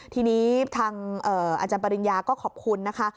ทีนี้ทางอาจารย์ปริญญาก็ขอบคุณนะคะ